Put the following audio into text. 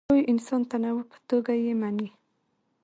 د لوی انساني تنوع په توګه یې مني.